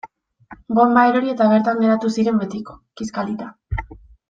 Bonba erori eta bertan geratu ziren betiko, kiskalita.